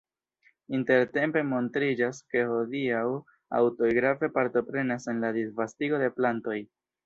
Intertempe montriĝas, ke hodiaŭ aŭtoj grave partoprenas en la disvastigo de plantoj.